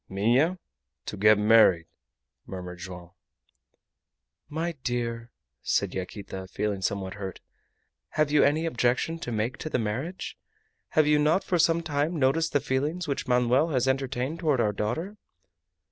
"Minha? To get married!" murmured Joam. "My dear," said Yaquita, feeling somewhat hurt, "have you any objection to make to the marriage? Have you not for some time noticed the feelings which Manoel has entertained toward our daughter?"